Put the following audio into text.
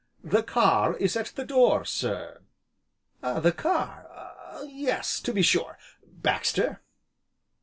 "The car is at the door, sir." "The car? ah yes, to be sure! Baxter."